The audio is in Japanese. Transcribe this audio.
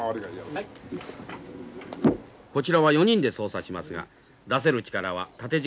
こちらは４人で操作しますが出せる力は縦軸